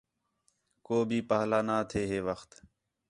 کُو بھی پاہلا نہ تھے ہے وخت